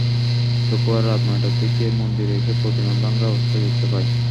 শুক্রবার রাত নয়টার দিকে মন্দিরে এসে প্রতিমা ভাঙা অবস্থায় দেখতে পাই।